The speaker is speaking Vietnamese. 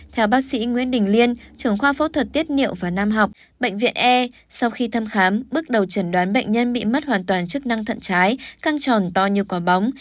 theo bác sĩ nguyễn đình liên trưởng khoa phẫu thuật tiết niệu và nam học bệnh viện e sau khi thăm khám bước đầu trần đoán bệnh nhân bị mất hoàn toàn chức năng thận trái căng tròn to như cỏ bóng